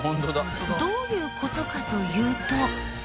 どういう事かというと。